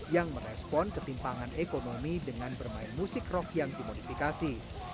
yang merespon ketimpangan ekonomi dengan bermain musik rock yang dimodifikasi